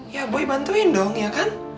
ya boleh bantuin dong ya kan